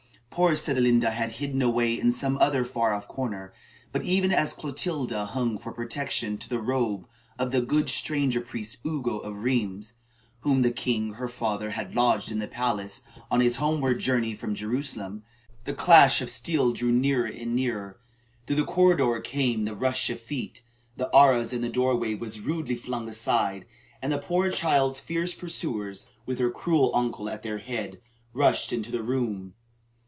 Poor Sedelenda had hidden away in some other far off corner; but even as Clotilda hung for protection to the robe of the good stranger priest Ugo of Rheims (whom the king, her father, had lodged in the palace, on his homeward journey from Jerusalem), the clash of steel drew nearer and nearer. Through the corridor came the rush of feet, the arras in the doorway was rudely flung aside, and the poor child's fierce pursuers, with her cruel uncle at their head, rushed into the room.